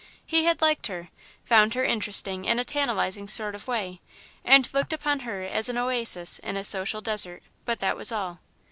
He had liked her, found her interesting in a tantalising sort of way, and looked upon her as an oasis in a social desert, but that was all.